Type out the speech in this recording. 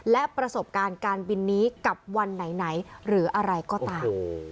และประสบการณ์การบินนี้กับวันไหนหรืออะไรก็ตาม